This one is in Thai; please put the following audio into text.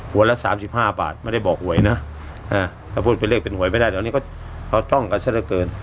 หัวละ๓๕บาทไม่ได้บอกหวยนะถ้าพุทธไปเรียกเป็นหวยไม่ได้เดี๋ยวอันนี้ก็ต้องกันซะเท่าเกิน